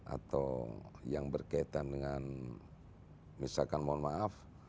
atau yang berkaitan dengan misalkan mohon maaf